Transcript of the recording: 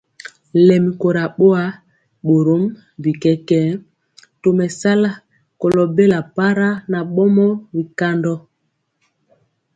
Lɛmi kora boa, borom bi kɛkɛɛ tomesala kolo bela para nan bɔnɛɛ bikandɔ.